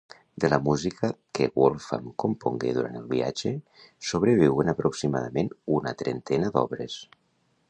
De la música que Wolfgang compongué durant el viatge, sobreviuen aproximadament una trentena d'obres.